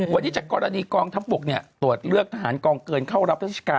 วันนี้จากกรณีกองทัพบกตรวจเลือกทหารกองเกินเข้ารับราชการ